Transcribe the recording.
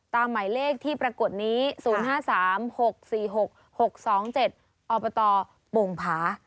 หมายเลขที่ปรากฏนี้๐๕๓๖๔๖๖๒๗อบตโป่งผา